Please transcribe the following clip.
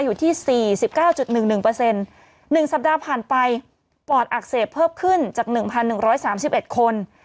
อยู่ที่สี่สิบเก้าจุดหนึ่งหนึ่งเปอร์เซ็นต์หนึ่งสัปดาห์ผ่านไปปอดอักเสบเพิ่มขึ้นจากหนึ่งพันหนึ่งร้อยสามสิบเอ็ดคน